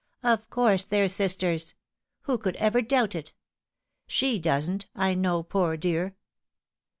Of course they're sisters. Who could ever doubt it ? She doesn't, I know, poor dear."